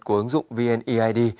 của ứng dụng vneid